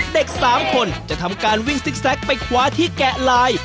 เด็ก๓คนจะทำการวิ่งซิกแซคไปคว้าที่แกะลาย